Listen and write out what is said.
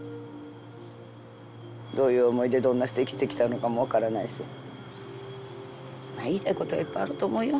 どういう思いでどんなして生きてきたのかも分からないし言いたいことはいっぱいあると思うよ。